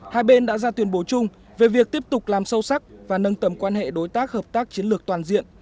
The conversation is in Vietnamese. hai bên đã ra tuyên bố chung về việc tiếp tục làm sâu sắc và nâng tầm quan hệ đối tác hợp tác chiến lược toàn diện